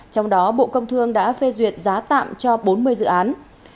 trong đó bộ công thương đã phê duyệt giá tạm cho bốn mươi dự án